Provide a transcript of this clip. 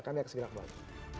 kami akan segera kembali